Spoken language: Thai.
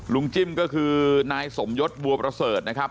จิ้มก็คือนายสมยศบัวประเสริฐนะครับ